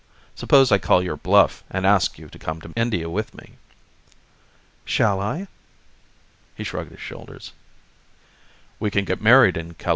"Suppose I call your bluff and ask you to come to India with me?" "Shall I?" He shrugged his shoulders. "We can get married in Callao."